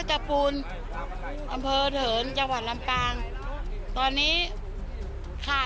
สะพานขาดแล้วจ้า